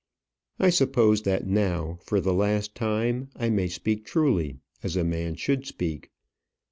"I suppose that now, for the last time, I may speak truly as a man should speak.